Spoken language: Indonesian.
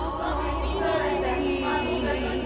mampu gak nunggu dapat